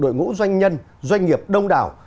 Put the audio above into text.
đội ngũ doanh nhân doanh nghiệp đông đảo